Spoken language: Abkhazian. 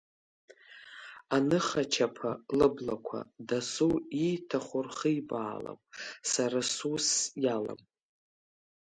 Аныхачаԥа лыблақәа дасу ииҭаху рхибаалап, сара сусс иалам.